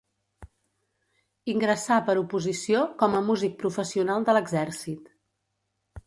Ingressà per oposició com a músic professional de l'exèrcit.